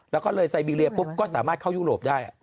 แล้วก็เลยไซบีเรียปุ๊บก็สามารถเข้ายุโรปได้